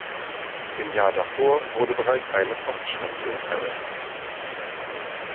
Im Jahr davor wurde bereits eine Poststation eröffnet.